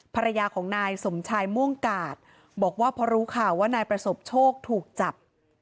ภรรยาของนายสมชายม่วงกาดบอกว่าพอรู้ข่าวว่านายประสบโชคถูกจับ